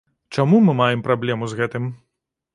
Чаму мы маем праблему з гэтым?